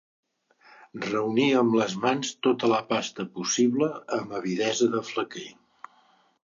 Reunir amb les mans tota la pasta possible amb avidesa de flequer.